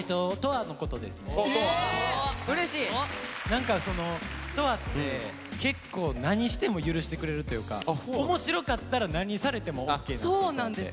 何か斗亜って結構何しても許してくれるというか面白かったら何されてもオーケーなんですよ斗亜って。